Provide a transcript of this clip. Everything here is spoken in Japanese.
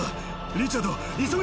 リチャード急げ。